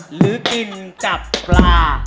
หรือกินจับปลา